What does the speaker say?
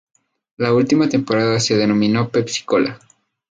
La última temporada se denominó Pepsi-Cola.